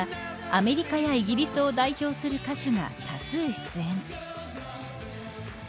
アメリカやイギリスを代表する歌手が多数出演。